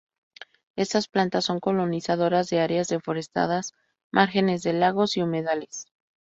Estas plantas son colonizadores de áreas deforestadas, márgenes de lagos, y humedales.